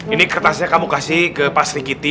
ini kertasnya kamu kasih ke pak sri kiti